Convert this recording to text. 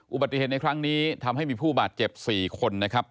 อุบัติเหตุในครั้งนี้ทำให้มีผู้บาดเจ็บ๔คนนะครับ